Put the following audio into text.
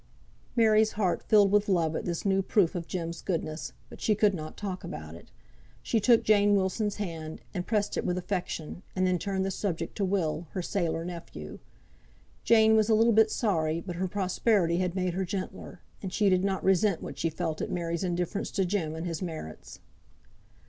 Mary's heart filled with love at this new proof of Jem's goodness; but she could not talk about it. She took Jane Wilson's hand, and pressed it with affection; and then turned the subject to Will, her sailor nephew. Jane was a little bit sorry, but her prosperity had made her gentler, and she did not resent what she felt as Mary's indifference to Jem and his merits.